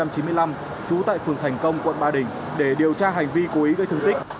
trú tại phường thành công quận ba đình để điều tra hành vi cố ý gây thương tích